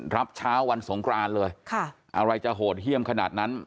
รับเช้าวันสงครานเลยอะไรจะโหดเยี่ยมขนาดนั้น